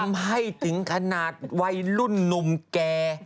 ทำให้ถึงขนาดวัยรุ่นหนุ่มแก่